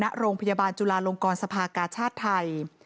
ณโรงพยาบาลจุลาลงกรสภากาชาติไทย